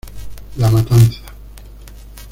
La Matanza.